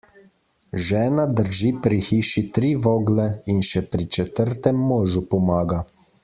Žena drži pri hiši tri vogle in še pri četrtem možu pomaga.